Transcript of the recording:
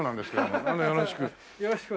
よろしく。